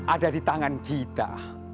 ada di tangan kita